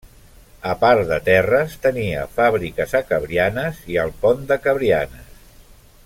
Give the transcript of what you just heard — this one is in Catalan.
A part de terres tenia fàbriques a Cabrianes i al Pont de Cabrianes.